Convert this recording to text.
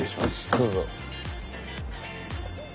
どうぞ。